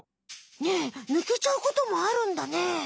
ねえぬけちゃうこともあるんだね。